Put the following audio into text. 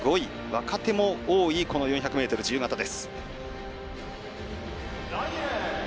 若手も多い４００ｍ自由形です。